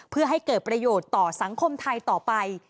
เพื่อให้เกิดประโยชน์ต่อสังคมไทยต่อไป